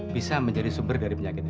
bisa menjadi sumber dari penyakitnya